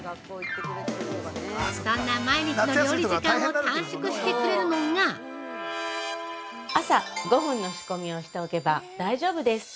そんな毎日の料理時間を短縮してくれるのが◆朝５分の仕込みをしておけば大丈夫です。